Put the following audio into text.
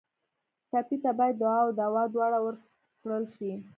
ټپي ته باید دعا او دوا دواړه ورکړل شي.